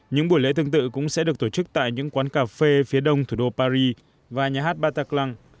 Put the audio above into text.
những buổi lễ tương tự cũng sẽ được tổ chức tại những quán cà phê phía đông thủ đô paris và nhà hát bata cclang